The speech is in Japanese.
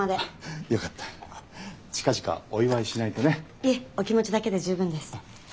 いえお気持ちだけで十分です。